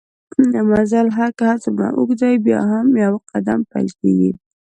مزل که هرڅومره اوږده وي بیا هم په يو قدم پېل کېږي